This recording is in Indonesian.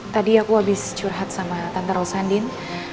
tadi aku habis curhat sama tante rosandin